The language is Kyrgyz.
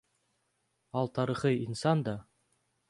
Ал тарыхый инсан да.